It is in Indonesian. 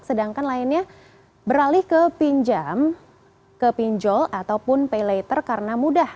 sedangkan lainnya beralih ke pinjam ke pinjol ataupun pay later karena mudah